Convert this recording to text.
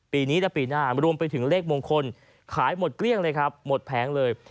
ปีนี้และปีหน้ารวมไปถึงเลขมงคลขายหมดเกลี้ยงเลยครับหมดแผงเลย